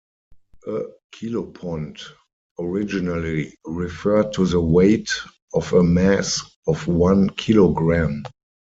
A kilopond originally referred to the weight of a mass of one kilogram.